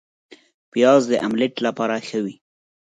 پیاز د املیټ لپاره ښه وي